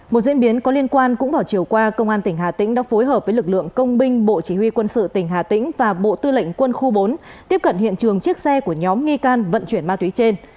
một diễn biến có liên quan cũng vào chiều qua công an tỉnh hà tĩnh đã phối hợp với lực lượng công binh bộ chỉ huy quân sự tỉnh hà tĩnh và bộ tư lệnh quân khu bốn tiếp cận hiện trường chiếc xe của nhóm nghi can vận chuyển ma túy trên